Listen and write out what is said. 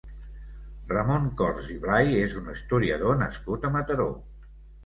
Ramon Corts i Blay és un historiador nascut a Mataró.